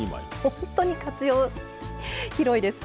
ほんとに活用広いです。